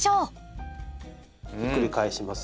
ひっくり返します。